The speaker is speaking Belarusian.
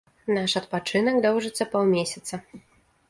Наш адпачынак доўжыцца паўмесяца.